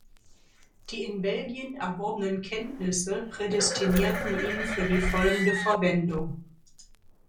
Die in Belgien erworbenen Kenntnisse prädestinierten ihn für die folgende Verwendung.